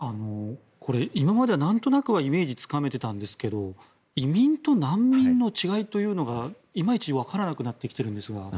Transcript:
今までは何となくイメージがつかめていたんですが移民と難民の違いというのがいまいち分からなくなってきているんですが。